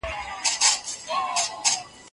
هغه مړ ږدن ډنډ ته نږدې ګڼلی دی.